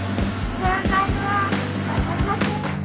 おはようございます。